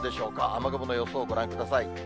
雨雲の予想をご覧ください。